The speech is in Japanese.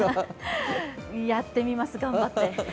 やってみます、頑張って。